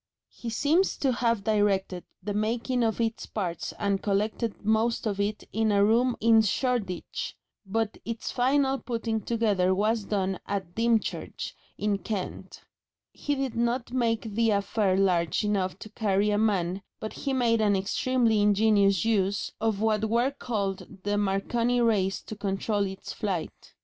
He seems to have directed the making of its parts and collected most of it in a room in Shoreditch, but its final putting together was done at Dymchurch, in Kent. He did not make the affair large enough to carry a man, but he made an extremely ingenious use of what were then called the Marconi rays to control its flight.